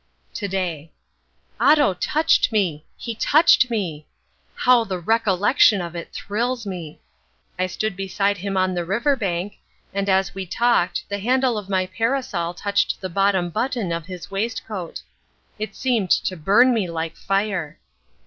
To day. Otto touched me! He touched me! How the recollection of it thrills me! I stood beside him on the river bank, and as we talked the handle of my parasol touched the bottom button of his waistcoat. It seemed to burn me like fire!